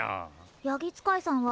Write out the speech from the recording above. ヤギつかいさんは？